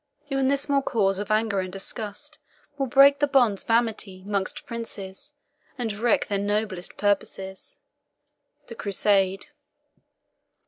Even this small cause of anger and disgust Will break the bonds of amity 'mongst princes, And wreck their noblest purposes. THE CRUSADE.